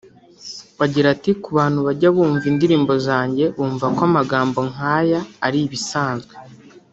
Agira ati “Ku bantu bajya bumva indirimbo zanjye bumva ko amagambo nk’aya ari ibisanzwe